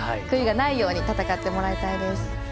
悔いがないように戦ってもらいたいです。